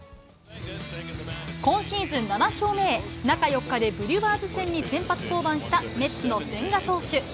今シーズン７勝目へ、中４日でブリュワーズ戦に先発登板したメッツの千賀投手。